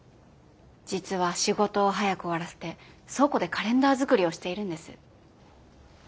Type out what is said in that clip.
実は仕事を早く終わらせて倉庫でカレンダー作りをしているんです。